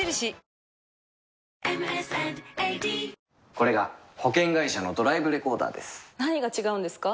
これが保険会社のドライブレコーダーです何が違うんですか？